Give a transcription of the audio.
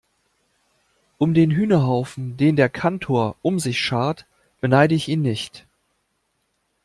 Um den Hühnerhaufen, den der Kantor um sich schart, beneide ich ihn nicht.